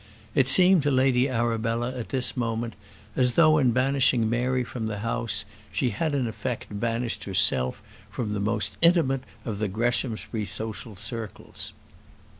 It seemed to Lady Arabella at this moment as though, in banishing Mary from the house, she had in effect banished herself from the most intimate of the Greshamsbury social circles.